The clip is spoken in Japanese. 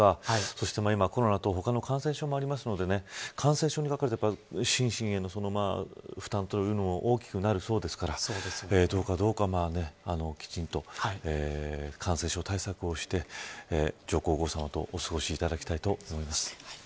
そして今、コロナ等他の感染症もありますので感染症心身の負担も大きくなるそうですからどうかどうかきちんと感染症対策をして上皇后さまとお過ごしいただきたいと思います。